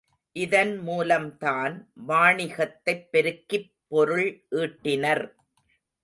இதன் மூலம்தான் வாணிகத்தைப் பெருக்கிப் பொருள் ஈட்டினர்.